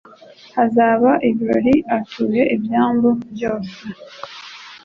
Hazaba ibirori Aturiye ibyambu byose,